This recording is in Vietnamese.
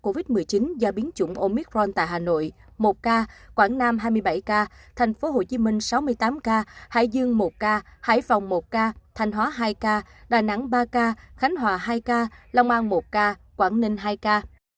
covid một mươi chín do biến chủng omicron tại hà nội một ca quảng nam hai mươi bảy ca tp hcm sáu mươi tám ca hải dương một ca hải phòng một ca thanh hóa hai ca đà nẵng ba ca khánh hòa hai ca long an một ca quảng ninh hai ca